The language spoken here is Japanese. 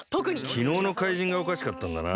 きのうのかいじんがおかしかったんだな。